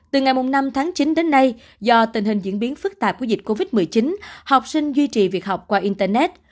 từ ngày năm tháng chín đến nay do tình hình diễn biến phức tạp của dịch covid một mươi chín học sinh duy trì việc học qua internet